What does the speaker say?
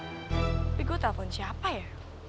tapi gue telpon siapa ya